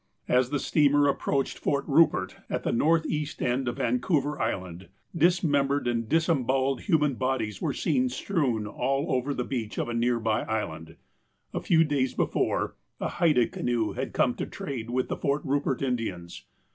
As the steamer approached Fort Rupert, at the northeast end of Vancouver Island, dismembered and disembowelled human bodies were seen strewn all over the beach of a near by island. A few days before, a Haida canoe had come to trade with the Fort Rupert Indians.